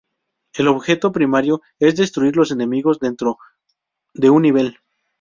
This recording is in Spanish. El objetivo primario es destruir los enemigos dentro de un nivel.